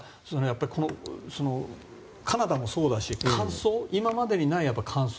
カナダもそうだし今までにない乾燥。